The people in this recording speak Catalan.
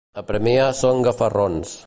A Premià són gafarrons.